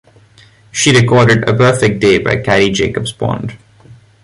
She recorded "A Perfect Day" by Carrie Jacobs-Bond.